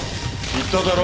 言っただろ。